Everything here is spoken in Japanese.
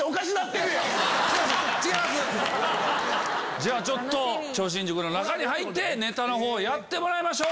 じゃあ超新塾の中に入ってネタやってもらいましょう。